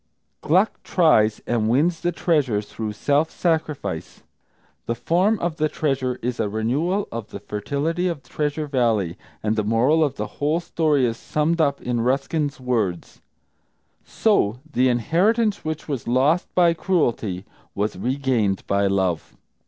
Gluck tries, and wins the treasure through self sacrifice. The form of the treasure is a renewal of the fertility of Treasure Valley, and the moral of the whole story is summed up in Ruskin's words, "So the inheritance which was lost by cruelty was regained by love."